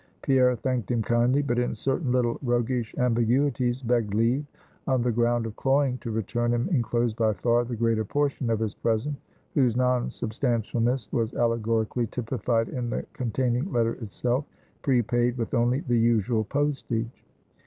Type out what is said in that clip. Pierre thanked him kindly; but in certain little roguish ambiguities begged leave, on the ground of cloying, to return him inclosed by far the greater portion of his present; whose non substantialness was allegorically typified in the containing letter itself, prepaid with only the usual postage.